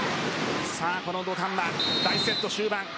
この土壇場、第１セット終盤。